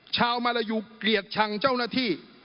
ชาวมารยูเกลียดชังเจ้าหน้าที่